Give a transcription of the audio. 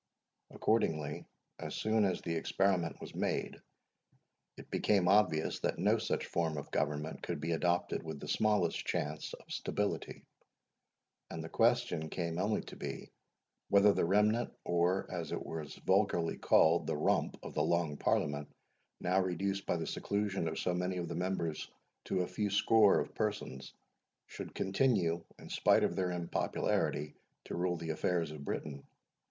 Accordingly, as soon as the experiment was made, it became obvious that no such form of government could be adopted with the smallest chance of stability; and the question came only to be, whether the remnant, or, as it was vulgarly called, the Rump of the Long Parliament, now reduced by the seclusion of so many of the members to a few scores of persons, should continue, in spite of their unpopularity, to rule the affairs of Britain?